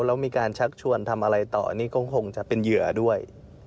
แล้วมีการชักชวนทำอะไรต่อนี่ก็คงจะเป็นเหยื่อด้วย